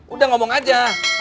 udah ngomong aja